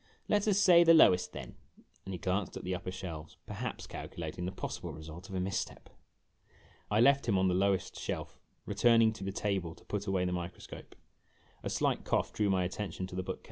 " Let us say the lowest, then "; and he glanced at the upper shelves, perhaps calculating the possible result of a misstep. I left him on the lowest shelf, returning to the table to put away the microscope. A slight cough drew my attention, to the book case.